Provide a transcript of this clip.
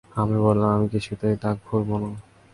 আমি বললাম, আমি কিছুতেই তা খুলব না।